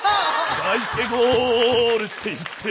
だいすけゴール！って言って。